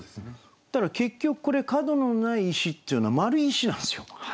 だから結局これ「角のない石」っていうのは丸い石なんですよ。